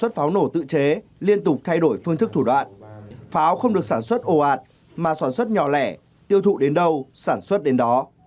pháo không được sản xuất ồ ạt mà sản xuất nhỏ lẻ tiêu thụ đến đâu sản xuất đến đó